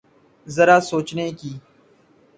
ذرا سوچنے کی۔